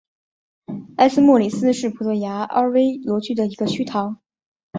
埃斯莫里斯是葡萄牙阿威罗区的一个堂区。